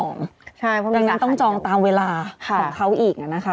เพราะฉะนั้นต้องจองตามเวลาของเขาอีกนะคะ